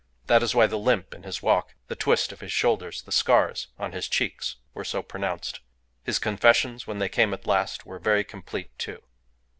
That is why the limp in his walk, the twist of his shoulders, the scars on his cheeks were so pronounced. His confessions, when they came at last, were very complete, too.